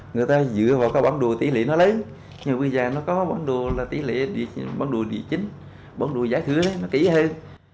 người ta dựa vào các bản đồ tỉ lệ nó lấy nhưng bây giờ nó có bản đồ là tỉ lệ bản đồ địa chính bản đồ giải thừa nó kỹ hơn